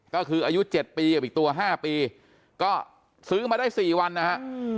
ก็คืออายุ๗ปีกับอีกตัว๕ปีก็ซื้อมาได้๔วันนะฮะ